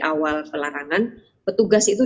awal pelarangan petugas itu